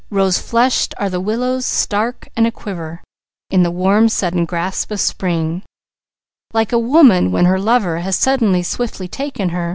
Rose flushed are the willows, stark and a quiver, In the warm sudden grasp of Spring; Like a woman when her lover has suddenly, swiftly taken her.